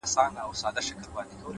لوړ فکر د نوښتونو دروازه پرانیزي,